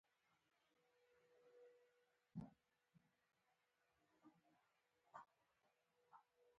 پر نوې جوړه شوې مقبره غونډه جوړه کړه.